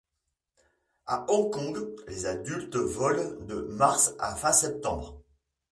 À Hong Kong, les adultes volent de mars à fin septembre.